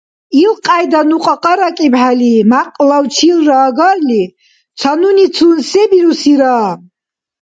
Ишкьяйда ну кьакьаракӀибхӀели, мякьлав чилра агарли, ца нуницун се бирусира?